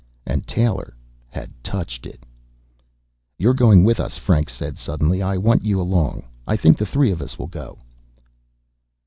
And Taylor had touched it! "You're going with us," Franks said suddenly. "I want you along. I think the three of us will go."